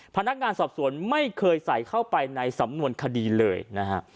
พนักงานสอบสวนไม่เคยใส่เข้าไปในสำนวนคดีเลยนะฮะ